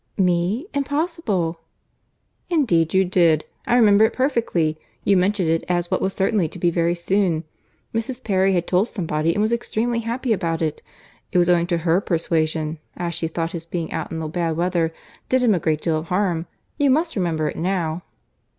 "Me! impossible!" "Indeed you did. I remember it perfectly. You mentioned it as what was certainly to be very soon. Mrs. Perry had told somebody, and was extremely happy about it. It was owing to her persuasion, as she thought his being out in bad weather did him a great deal of harm. You must remember it now?"